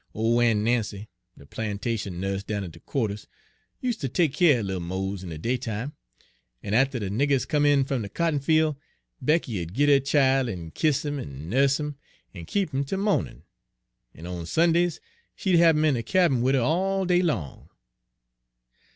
Ole Aun' Nancy, de plantation nuss down at de qua'ters, useter take keer er little Mose in de daytime, en atter de riggers come in fum de cotton fiel' Becky 'ud git her chile en kiss 'im en nuss 'im, en keep 'im 'tel mawnin'; en on Sundays she'd hab 'im in her cabin wid her all day long.